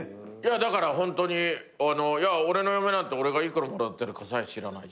だから俺の嫁なんて俺が幾らもらってるかさえ知らない。